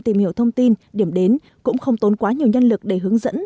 tìm hiểu thông tin điểm đến cũng không tốn quá nhiều nhân lực để hướng dẫn